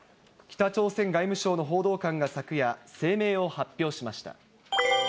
北朝鮮外務省の報道官が昨夜、声明を発表しました。